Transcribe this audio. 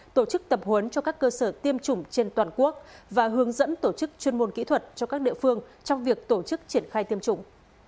tổ chức tập huấn cho các cơ sở tiêm chủng trên toàn quốc và hướng dẫn tổ chức chuyên môn kỹ thuật cho các địa phương trong việc tổ chức triển khai tiêm chủng